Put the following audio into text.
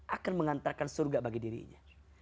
akan mengantarkan surga bagi dirinya